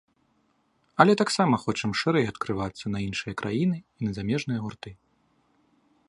Але таксама хочам шырэй адкрывацца на іншыя краіны і на замежныя гурты.